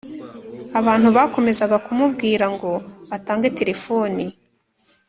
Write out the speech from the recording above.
abantu bakomezaga kumubwira ngo atange telefoni